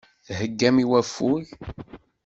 Theggam i waffug.